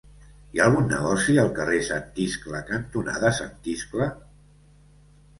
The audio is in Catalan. Hi ha algun negoci al carrer Sant Iscle cantonada Sant Iscle?